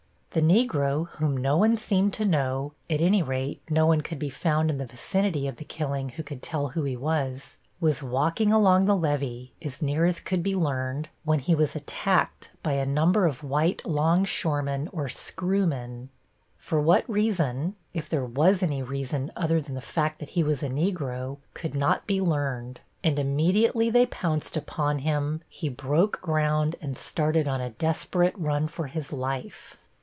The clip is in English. The Negro, whom no one seemed to know at any rate no one could be found in the vicinity of the killing who could tell who he was was walking along the levee, as near as could be learned, when he was attacked by a number of white longshoremen or screwmen. For what reason, if there was any reason other than the fact that he was a Negro, could not be learned, and immediately they pounced upon him he broke ground and started on a desperate run for his life.